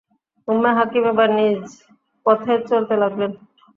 উম্মে হাকীম এবার নিজ পথে চলতে লাগলেন।